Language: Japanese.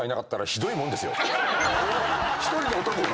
１人の男が。